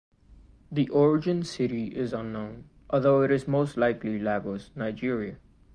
The origin city is unknown, although it is most likely Lagos, Nigeria.